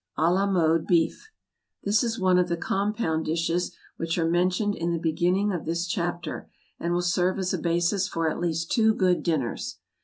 =À la Mode Beef.= This is one of the compound dishes which are mentioned in the beginning of this chapter, and will serve as a basis for at least two good dinners.